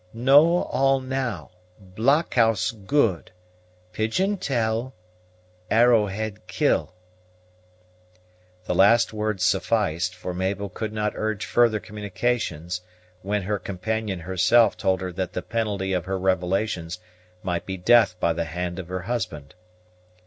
"Know all now, blockhouse good, pigeon tell, Arrowhead kill." The last words sufficed; for Mabel could not urge further communications, when her companion herself told her that the penalty of her revelations might be death by the hand of her husband.